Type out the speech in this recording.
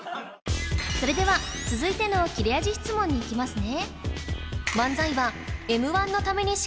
それでは続いての切れ味質問にいきますね